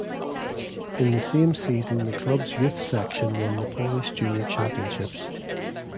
In the same season the clubs youth section won the Polish Junior Championships.